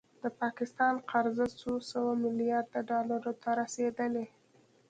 د پاکستان قرضه څو سوه میلیارده ډالرو ته رسیدلې